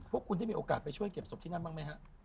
พวกคุณได้มีโอกาสไปช่วยเก็บศพที่นั่นบ้างไหมฮะ